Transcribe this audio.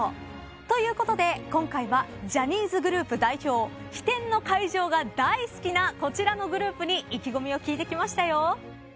ということで今回はジャニーズグループ代表飛天の会場が大好きなこちらのグループに意気込みを聞いてきましたよ。